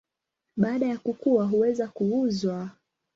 Baada ya kukua huweza kuuzwa.